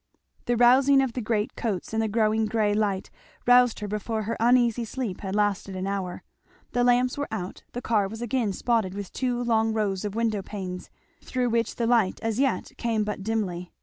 The rousing of the great coats, and the growing gray light, roused her before her uneasy sleep had lasted an hour. The lamps were out, the car was again spotted with two long rows of window panes, through which the light as yet came but dimly.